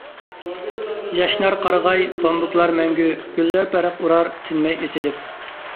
ياشنار قارىغاي، بامبۇكلار مەڭگۈ، گۈللەر بەرق ئۇرار تىنماي ئېچىلىپ.